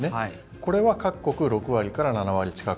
これは各国６割から７割近く。